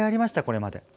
これまで。